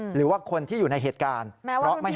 หรือว่าคนที่อยู่ในเหตุการณ์